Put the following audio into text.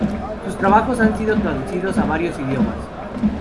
Sus trabajos han sido traducidos a varios idiomas.